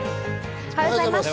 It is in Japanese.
おはようございます。